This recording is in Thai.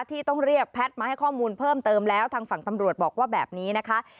ที่ต้องเรียกแพทย์มาให้ข้อมูลเพิ่มเติมแล้วทางฝั่งตำรวจบอกว่าแบบนี้นะคะ